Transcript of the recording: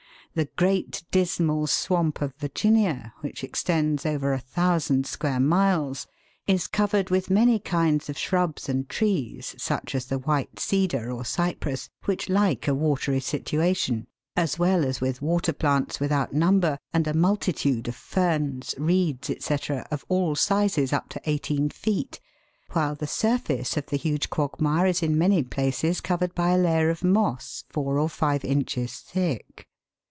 The Great Dismal Swamp of Virginia, which extends over 1,000 square miles, is covered with many kinds of shrubs and trees such as the white cedar or " cypress" which like a watery situation, as well as with water plants without number, and a multitude of ferns, reeds, c., of all sizes up to FORMATION OF COAL. .183 eighteen feet, while the surface of the huge quagmire is in many places covered by a layer of moss four or five inches thick.